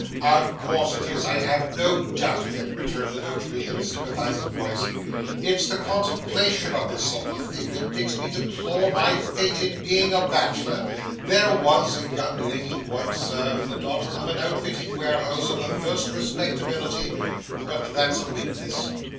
'Of course it is, I have no doubt of it,' returned the Notary in a sympathising voice. 'It's the contemplation of this sort of thing, that makes me deplore my fate in being a bachelor. There was a young lady once, sir, the daughter of an outfitting warehouse of the first respectability but that's a weakness.